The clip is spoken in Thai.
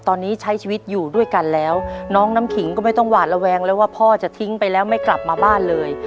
ตอนนี้ใช้ชีวิตอยู่ด้วยกันแล้วน้องน้ำขิงก็ไม่ต้องหวาดระแวงแล้วว่าพ่อจะทิ้งไปแล้วไม่กลับมาบ้านเลย